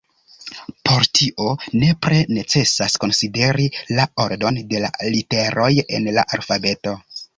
Por tio nepre necesas konsideri la ordon de la literoj en la alfabeto.